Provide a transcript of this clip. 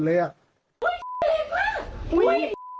เหลียดค่ะ